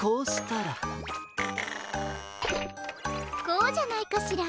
こうじゃないかしら。